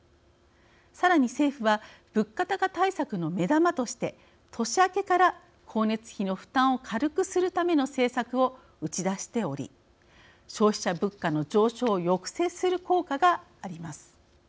さらに政府は物価高対策の目玉として年明けから光熱費の負担を軽くするための政策を打ち出しており消費者物価の上昇を抑制する効果があります。